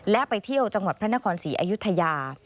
และไปเที่ยวจังหวัดพระนครศรีอยุธยา